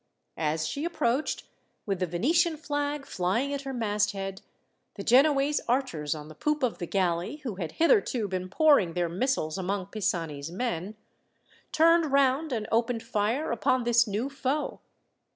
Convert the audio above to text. As she approached, with the Venetian flag flying at her masthead, the Genoese archers on the poop of the galley, who had hitherto been pouring their missiles among Pisani's men, turned round and opened fire upon this new foe.